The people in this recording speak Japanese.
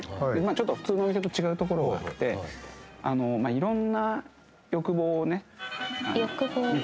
ちょっと普通のお店と違うところがあってまあ色んな欲望をね満たしてくれる。